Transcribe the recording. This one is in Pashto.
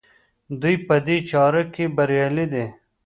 دوی په دې چاره کې بریالي دي.